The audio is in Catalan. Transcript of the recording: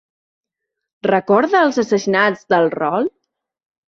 Recorda els assassinats del rol?